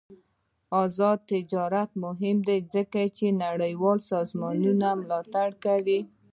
آزاد تجارت مهم دی ځکه چې نړیوال سازمانونه ملاتړ کوي.